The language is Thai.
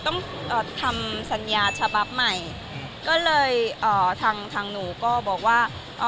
เอ่อทำสัญญาฉบับใหม่ก็เลยเอ่อทางทางหนูก็บอกว่าเอ่อ